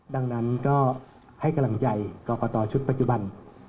ดังนั้นก็ให้กำลังใจกรกตชุดปัจจุบัน